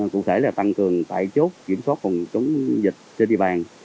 cụ thể là tăng cường tại chốt kiểm soát phòng chống dịch trên địa bàn